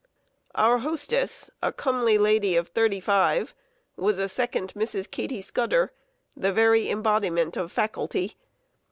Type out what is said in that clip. _ Our hostess, a comely lady of thirty five, was a second Mrs. Katie Scudder the very embodiment of "Faculty."